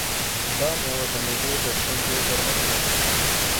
دا مېوه د معدې د ستونزو درملنه کوي.